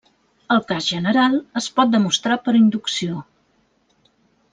El cas general es pot demostrar per inducció.